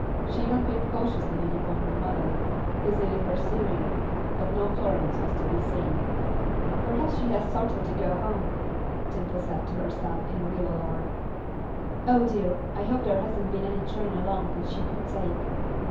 She even peeped cautiously in upon her mother, busy with her sewing, but no Florence was to be seen. "Perhaps she has started to go home," Dimple said to herself, in real alarm. "Oh, dear, I hope there hasn't been any train along that she could take."